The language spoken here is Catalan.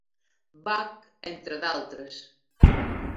Bach, entre d'altres.